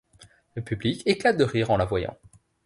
Le public éclate de rire en la voyant.